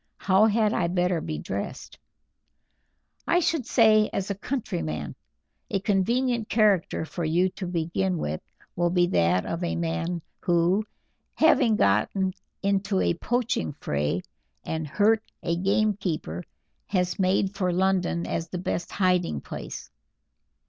How had I better be dressed?" "I should say as a countryman. A convenient character for you to begin with will be that of a man who, having got into a poaching fray, and hurt a gamekeeper, has made for London as the best hiding place.